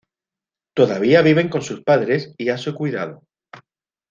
Todavía viven con sus padres y a su cuidado.